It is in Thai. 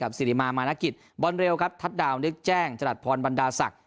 สิริมามานกิจบอลเร็วครับทัศน์ดาวนึกแจ้งจรัสพรบรรดาศักดิ